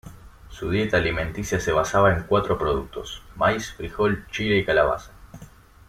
Su dieta alimenticia se basaba en cuatro productos: maíz, frijol, chile y calabaza.